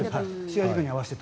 試合の時に合わせて。